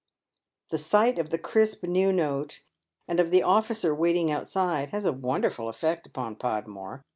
The sight of the crisp new note, and of the officer waiting out side, has a wonderful effect upon Podmore.